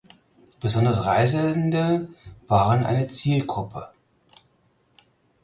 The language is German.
Besonders Reisende waren eine Zielgruppe.